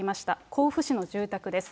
甲府市の住宅です。